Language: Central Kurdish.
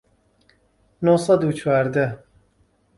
نۆ سەد و چواردە